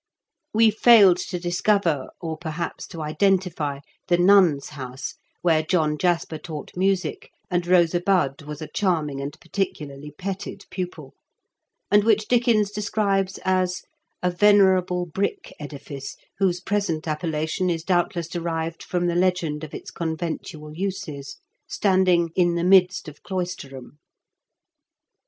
, We failed to discover, or perhaps to identify, the Nuns' House, where John Jasper taught music and Eosa Bud was a charming and particularly petted pupil, and which • Dickens describes as "a venerable brick edifice, whose present appellation is doubtless derived from the legend of its conventual uses," standing "in the midst of Cloisterham."